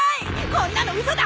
こんなのウソだ！